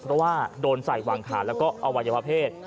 เพราะว่าโดนใส่หวังขาดแล้วก็อวัยวะเพศ